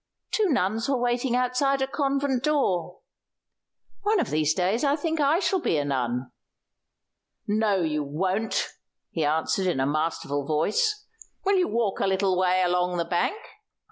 "Two nuns were waiting outside a convent door. One of these days I think I shall be a nun." "No, you won't," he answered in a masterful voice. "Will you walk a little way along the bank?